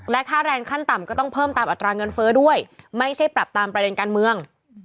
ค่าแรงขั้นต่ำก็ต้องเพิ่มตามอัตราเงินเฟ้อด้วยไม่ใช่ปรับตามประเด็นการเมือง